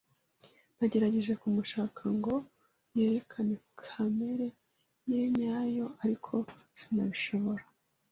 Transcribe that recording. Nagerageje kumushaka ngo yerekane kamere ye nyayo, ariko sinabishobora.